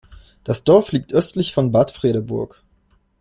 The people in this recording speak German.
Das Dorf liegt östlich von Bad Fredeburg.